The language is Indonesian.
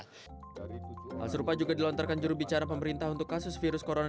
hal serupa juga dilontarkan jurubicara pemerintah untuk kasus virus corona